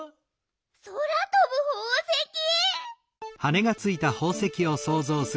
そらとぶほうせき。